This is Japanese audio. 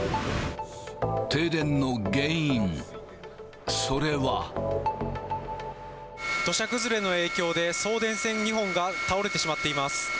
停電の原因、土砂崩れの影響で、送電線２本が倒れてしまっています。